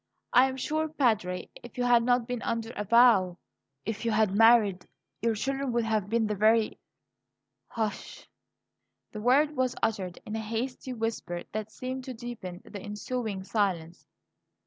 I am sure, Padre, if you had not been under a vow, if you had married, your children would have been the very " "Hush!" The word was uttered in a hasty whisper that seemed to deepen the ensuing silence.